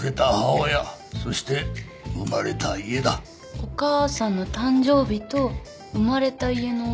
お母さんの誕生日と生まれた家の番地？